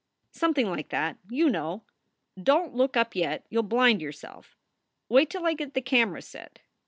"Something like that, you know. Don t look up yet. You ll blind yourself. Wait till I get the camera set.